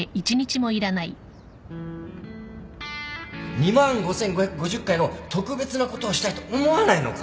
２万 ５，５５０ 回の特別なことをしたいと思わないのか？